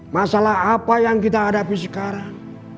masalah apa yang kita hadapi sekarang